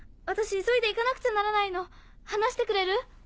私急いで行かなくちゃならないの離してくれる？